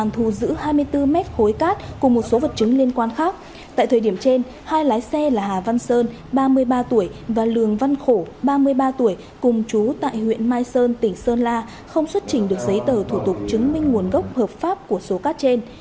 tại thời điểm trên hai lái xe là hà văn sơn ba mươi ba tuổi và lường văn khổ ba mươi ba tuổi cùng chú tại huyện mai sơn tỉnh sơn la không xuất trình được giấy tờ thủ tục chứng minh nguồn gốc hợp pháp của số cát trên